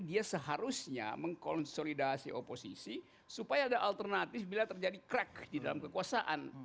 dia seharusnya mengkonsolidasi oposisi supaya ada alternatif bila terjadi crack di dalam kekuasaan